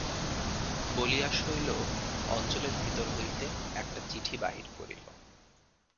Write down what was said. বলিয়া শৈল অঞ্চলের ভিতর হইতে একটা চিঠি বাহির করিল।